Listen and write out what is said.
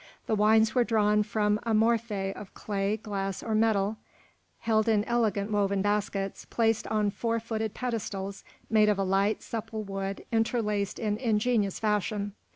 The wines were drawn from amphoræ of clay, glass, or metal held in elegant woven baskets placed on four footed pedestals made of a light, supple wood interlaced in ingenious fashion.